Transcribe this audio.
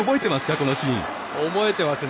このシーン。覚えてますね。